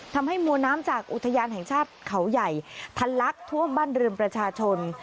ทำให้มวลน้ำจากอุทยานแห่งชาติเขาใหญ่ทะลักท่วมบ้านเรือนประชาชน